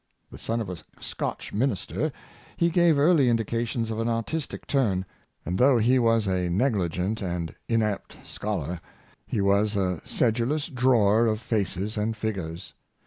The son of a Scotch minister, he gave early indications of an artistic turn; and though he was a negligent and inapt scholar, he was a sedulous drawer of faces and figures.